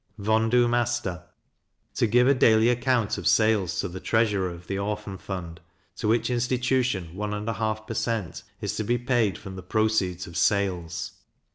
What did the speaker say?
Vendue Master to give a daily account of sales to the treasurer of the Orphan fund, to which institution 1 1/2 per cent. is to be paid from the proceeds of sales.